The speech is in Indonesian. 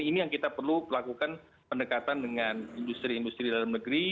ini yang kita perlu lakukan pendekatan dengan industri industri dalam negeri